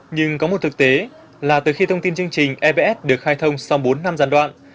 nhưng có một thực tế là từ khi thông tin chương trình evf được khai thông sau bốn năm gián đoạn